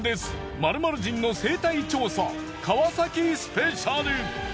マルマル人の生態調査川崎スペシャル！